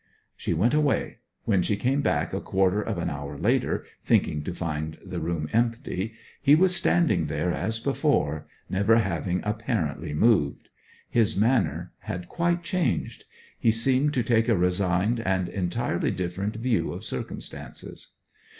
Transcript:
She went away. When she came back a quarter of an hour later, thinking to find the room empty, he was standing there as before, never having apparently moved. His manner had quite changed. He seemed to take a resigned and entirely different view of circumstances.